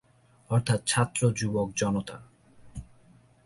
অর্থাৎ ছাত্র-যুবক-জনতা।